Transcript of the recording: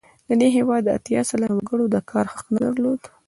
د دې هېواد اتیا سلنه وګړو د کار حق نه درلود.